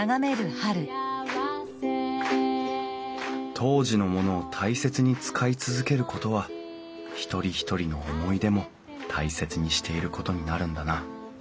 当時のものを大切に使い続けることは一人一人の思い出も大切にしていることになるんだな